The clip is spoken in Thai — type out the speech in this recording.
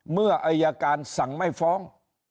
เมื่ออายการสั่งไม่ฟ้อง